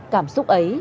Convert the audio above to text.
cảm xúc ấy